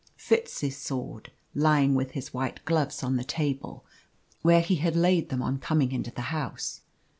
Fitz's sword, lying with his white gloves on the table, where he had laid them on coming into the house.